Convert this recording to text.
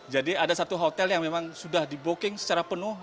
jadi ada satu hotel yang memang sudah dibuking secara penuh